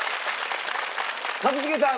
一茂さん。